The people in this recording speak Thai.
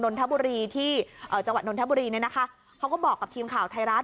นทบุรีที่จังหวัดนนทบุรีเนี่ยนะคะเขาก็บอกกับทีมข่าวไทยรัฐ